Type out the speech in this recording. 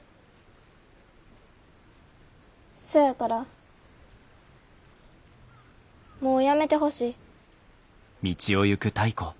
そやからもうやめてほしい。